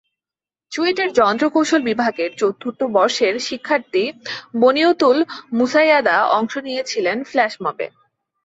চুয়েটের যন্ত্রকৌশল বিভাগের চতুর্থ বর্ষের শিক্ষার্থী বনিয়তুল মুছাইয়াদা অংশ নিয়েছিলেন ফ্ল্যাশ মবে।